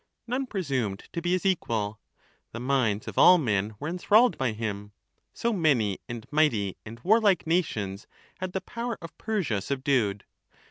None presumed to be his equal ; the minds of all men were en thralled by him — so many and mighty and warlike nations had the power of Persia subdued.